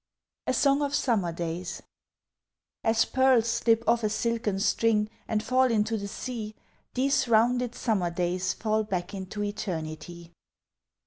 A SONG OF SUMMER DAYS As pearls slip off a silken string and fall into the sea, These rounded summer days fall back into eternity.